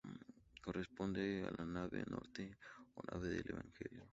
Corresponde a la nave norte o nave del Evangelio.